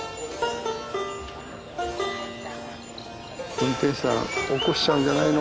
運転手さん起こしちゃうんじゃないの？